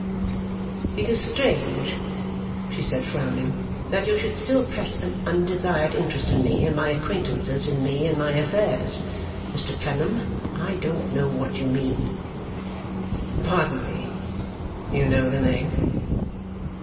'It is strange,' she said, frowning, 'that you should still press an undesired interest in me and my acquaintances, in me and my affairs, Mr Clennam. I don't know what you mean.' 'Pardon me. You know the name?